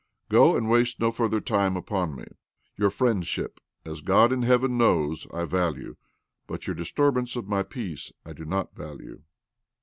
Go, and waste no further time upon me. Your friendship, as God in heaven knows, I value ; but your disturbance of my peace I do not value."